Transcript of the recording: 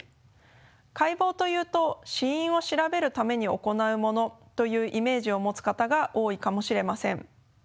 解剖というと死因を調べるために行うものというイメージを持つ方が多いかもしれません。